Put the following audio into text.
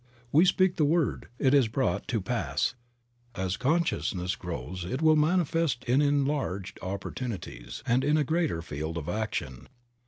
We speak the word, it is brought to pass of As consciousness grows it will manifest in enlarged oppor tunities and a greater field of action.